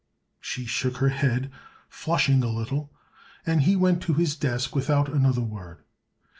She shook her head, flushing a little, and he went to his desk without another word.